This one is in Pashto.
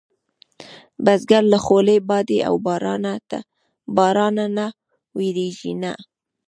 بزګر له خولې، بادې او بارانه نه وېرېږي نه